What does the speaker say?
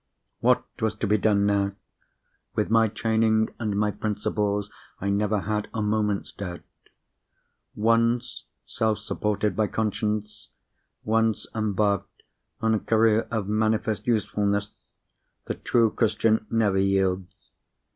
What was to be done now? With my training and my principles, I never had a moment's doubt. Once self supported by conscience, once embarked on a career of manifest usefulness, the true Christian never yields.